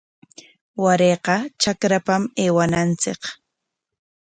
Warayqa trakrapam aywananchik.